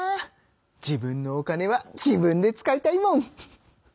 自分のお金は自分で使いたいもん！